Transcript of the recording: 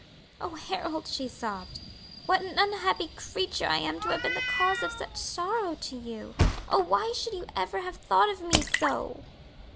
"Oh, Harold!" she sobbed, "what an unhappy creature I am to have been the cause of such sorrow to you! Oh why should you ever have thought of me so?"